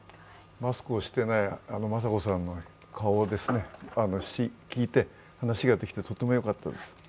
マスクをしていない雅子さんの顔を見て、話ができてとてもよかったです。